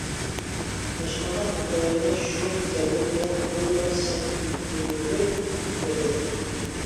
ئاشخانا خوجايىنى شۇ زەربە بىلەن بىرلا سەنتۈرۈلۈپ يىقىلدى.